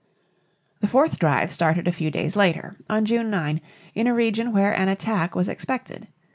The fourth drive started a few days later, on June 9, in a region where an attack was expected.